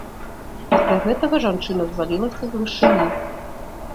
Пасля гэтага жанчына звалілася з вышыні.